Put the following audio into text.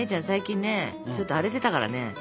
最近ねちょっと荒れてたからね。